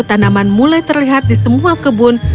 tanaman mulai terlihat di semua kebun